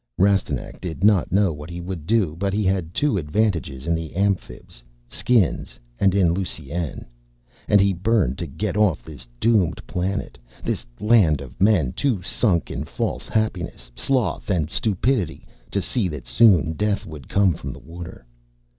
Rastignac did not know what he would do, but he had two advantages in the Amphibs' Skins and in Lusine. And he burned to get off this doomed planet, this land of men too sunk in false happiness, sloth, and stupidity to see that soon death would come from the water.